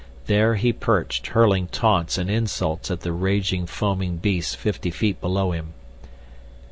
There he perched, hurling taunts and insults at the raging, foaming beast fifty feet below him.